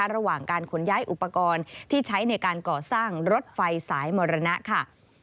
ระหว่างการขนย้ายอุปกรณ์ที่ใช้ในการก่อสร้างรถไฟสายมรณะค่ะ